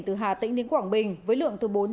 từ hà tĩnh đến quảng bình với lượng từ bốn trăm linh